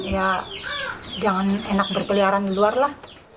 ya jangan enak berkeliaran di luar lah